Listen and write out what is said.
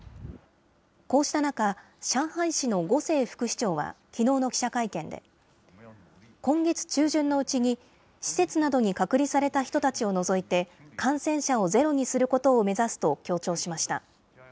こうした中、上海市の呉清副市長は、きのうの記者会見で、今月中旬のうちに、施設などに隔離された人たちを除いて、感染者をゼロにすることを目指すと強調しました。